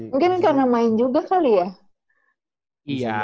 mungkin karena main juga kali ya